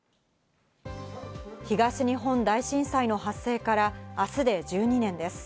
東日本大震災の発生から明日で１２年です。